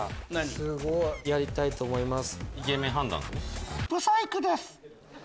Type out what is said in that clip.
すごい！やりたいと思います。